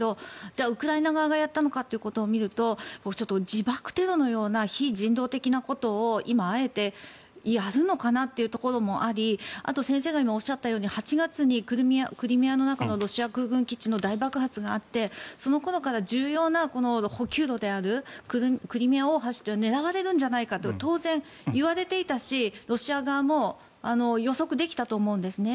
じゃあウクライナ側がやったのかとみると、自爆テロのような非人道的なことを今、あえてやるのかなというところもあり先生が今おっしゃったように８月にクリミアの中のロシア空軍基地の大爆発があってそのころから重要な補給路であるクリミア大橋は狙われるんじゃないかと当然言われていたしロシア側も予測できたと思うんですね。